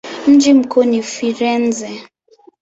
Mji mkuu ni Firenze.